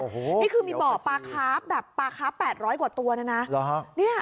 นี่คือมีบ่อปลาครับแบบปลาคาร์ฟ๘๐๐กว่าตัวนะนะ